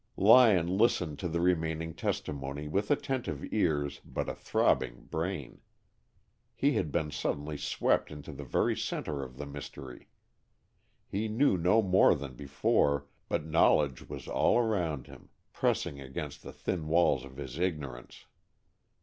Lyon listened to the remaining testimony with attentive ears but a throbbing brain. He had been suddenly swept into the very center of the mystery. He knew no more than before, but knowledge was all around him, pressing against the thin walls of his ignorance.